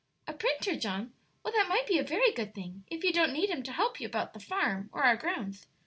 "A printer, John? Well, that might be a very good thing if you don't need him to help you about the farm, or our grounds.